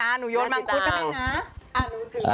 อ่าหนูโยนมังคุดให้นะ